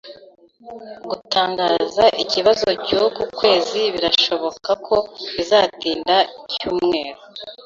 Gutangaza ikibazo cyuku kwezi birashoboka ko bizatinda icyumweru.